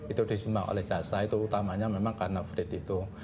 itu disumbang oleh jasa itu utamanya memang karena freed itu